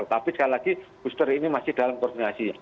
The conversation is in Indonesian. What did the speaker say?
tapi sekali lagi booster ini masih dalam koordinasi